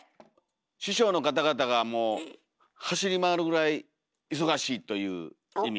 師匠の方々がもう走り回るぐらい忙しいという意味。